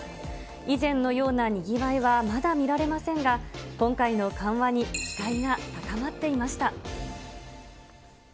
以前のようなにぎわいはまだ見られませんが、今回の緩和に期待が高まっていました。